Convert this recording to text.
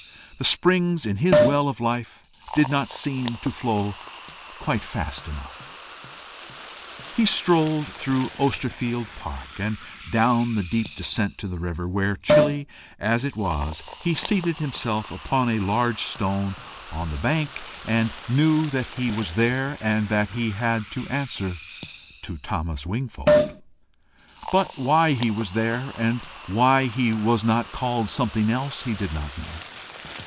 The springs in his well of life did not seem to flow quite fast enough. He strolled through Osterfield park, and down the deep descent to the river, where, chilly as it was, he seated himself upon a large stone on the bank, and knew that he was there, and that he had to answer to Thomas Wingfold; but why he was there, and why he was not called something else, he did not know.